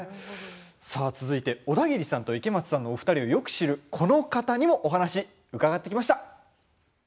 続いて、オダギリさんと池松さんのお二人をよく知るこの方にもお話、伺ってきました！